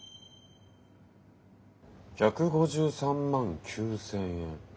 １５３万９，０００円。